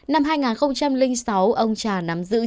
năm hai nghìn sáu ông trà nắm dự trường